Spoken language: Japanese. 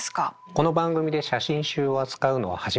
この番組で写真集を扱うのは初めてですね。